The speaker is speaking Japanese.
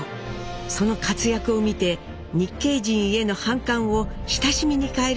その活躍を見て日系人への反感を親しみに変えるカナダ人もいました。